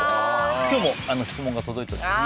今日も質問が届いております